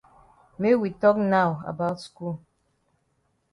Make we tok now about skul.